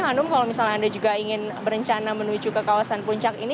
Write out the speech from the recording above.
hanum kalau misalnya anda juga ingin berencana menuju ke kawasan puncak ini